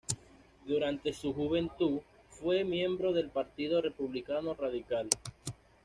Durante su juventud fue miembro del Partido Republicano Radical.